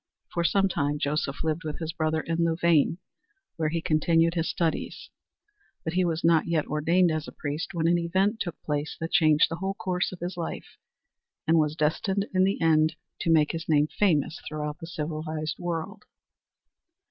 For some time Joseph lived with his brother in Louvain where he continued his studies, but he was not yet ordained as a priest when an event took place that changed the whole course of his life and was destined in the end to make his name famous throughout the civilized world.